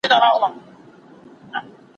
یوازې یوې ځانګړې ډلې پوځي زده کړې کولای.